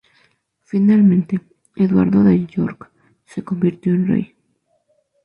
Finalmente, Eduardo de York se convirtió en rey.